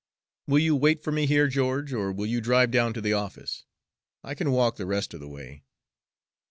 Will you wait for me here, George, or will you drive down to the office? I can walk the rest of the way."